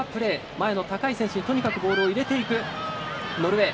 前の高い選手にとにかくボールを入れていくノルウェー。